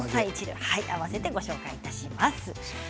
合わせてご紹介します。